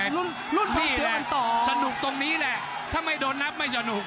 ลุ้นฟองเสียวกันต่อสนุกตรงนี้แหละถ้าไม่โดนนับไม่สนุก